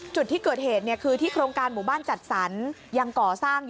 จุดที่เกิดเหตุคือที่โครงการหมู่บ้านจัดสรรยังก่อสร้างอยู่